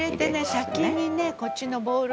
先にねこっちのボウルで」